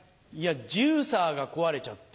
ジューサーが壊れちゃって。